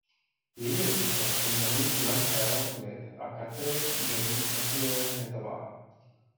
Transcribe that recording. Její rodiče se jmenují Glenn Carroll Smith a Kathryn Jane Cecilia Smithová.